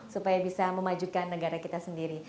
supaya bisa memajukan negara kita sendiri